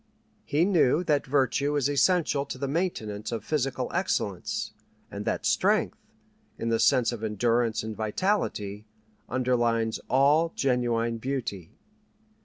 He knew that virtue is essential to the maintenance of physical excellence, and that strength, in the sense of endurance and vitality, underlies all genuine beauty.